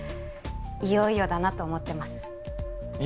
いよいよだなと思ってます